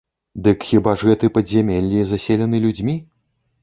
Дык хіба ж гэты падзямеллі заселены людзьмі?